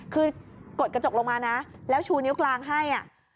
คือกดกระจกลงมานะแล้วชูนิ้วกลางให้